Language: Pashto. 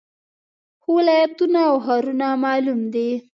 خو ولایتونه او ښارونه معلوم دي